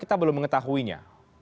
kita belum mengetahuinya